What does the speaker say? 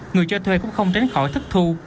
người cho thuê cũng không tránh khỏi thất thu